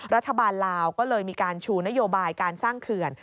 ลาวก็เลยมีการชูนโยบายการสร้างเขื่อน